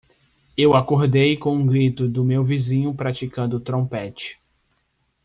Eu acordei com o grito do meu vizinho praticando trompete.